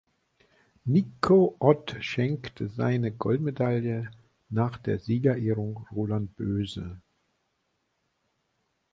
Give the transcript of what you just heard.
Niko Ott schenkte seine Goldmedaille nach der Siegerehrung Roland Boese.